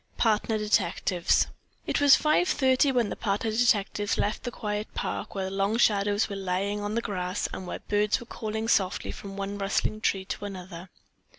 PARTNER DETECTIVES It was five thirty when the partner detectives left the quiet park, where long shadows were lying on the grass and where birds were calling softly from one rustling tree to another.